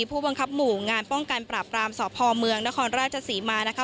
อายุ๓๑ปีผู้บังคับหมู่งานป้องกันปราบรามสภอเมืองนครราชสิมานะคะ